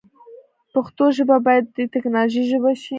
پښتو ژبه باید د تکنالوژۍ ژبه شی